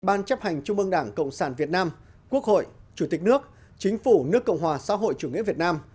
ban chấp hành trung ương đảng cộng sản việt nam quốc hội chủ tịch nước chính phủ nước cộng hòa xã hội chủ nghĩa việt nam